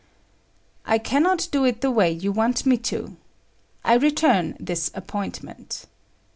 "I cannot do it the way you want me to. I return this appointment."